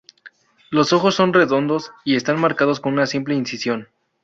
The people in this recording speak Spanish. Los ojos son redondos y están marcados con una simple incisión.